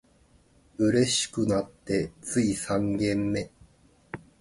嬉しくなってつい三軒目